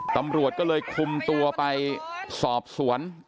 ตำรวจก็เลยคุมตัวไปสอบสวน